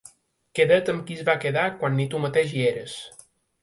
Queda't amb qui es va quedar quan ni tu mateix hi eres.